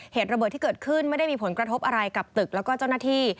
เหตุระเบิดที่เกิดขึ้นไม่ได้มีผลกระทบอะไรกับตึกแล้วก็เจ้าหน้าที่